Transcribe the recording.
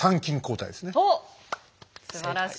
おっすばらしい。